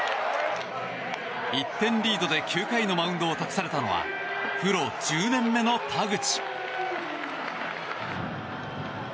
１点リードで９回のマウンドを託されたのはプロ１０年目の田口。